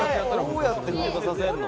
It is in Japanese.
どうやって噴火させるの？